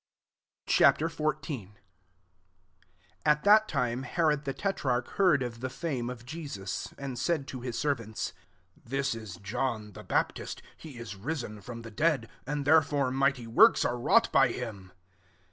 Ch. XIV. 1 AT that time Herod the tetrarch heard of the fame of Jesus ; 2 and said to his servants, " This is John the Baptist; he is risen fi*om the dead ; and therefore migh ty works are wrought by him."